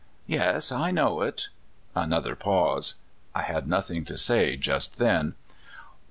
"Yes, I know it." Another pause. I had noth ing to say just then.